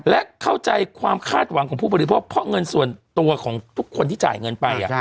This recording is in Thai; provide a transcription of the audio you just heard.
และเข้าใจความคาดหวังของผู้บริโภคเพราะเงินส่วนตัวของทุกคนที่จ่ายเงินไป